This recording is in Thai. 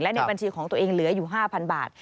ในบัญชีของตัวเองเหลืออยู่๕๐๐บาท